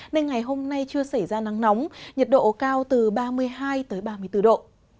nên ngày hôm nay chưa xảy ra nắng nóng nhiệt độ cao từ ba mươi hai ba mươi bốn độ